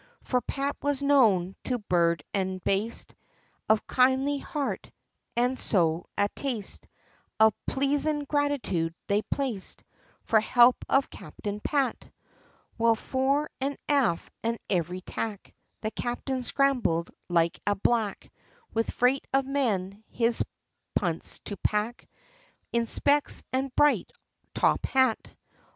For Pat was known, to bird, an' baste, Of kindly heart, an' so a taste, Of pleasin' gratitude they placed, For help of Captain Pat, While fore, an aft, an' every tack, The captain scrambled like a black, With freight of men, his punts to pack In specks, an' bright top hat.